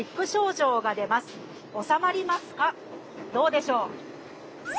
どうでしょう？